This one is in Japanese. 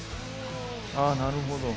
あなるほど。